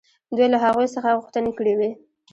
دوی له هغوی څخه غوښتنې کړې وې.